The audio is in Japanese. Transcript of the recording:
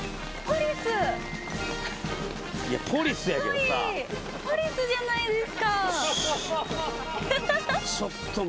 ポリスじゃないですか。